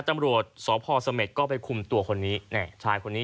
ตำรวจสพสเม็ดก็ไปคุมตัวคนนี้ชายคนนี้